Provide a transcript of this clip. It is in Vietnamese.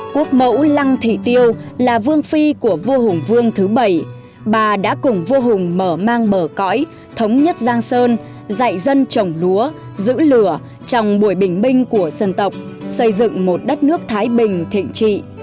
quốc mẫu lăng thị tiêu là vương phi của vua hùng vương thứ bảy bà đã cùng vua hùng mở mang bờ cõi thống nhất giang sơn dạy dân trồng lúa giữ lửa trong buổi bình minh của dân tộc xây dựng một đất nước thái bình thịnh trị